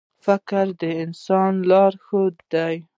• فکر د انسان لارښود دی.